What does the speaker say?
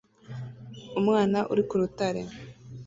Umwana uri ku rutare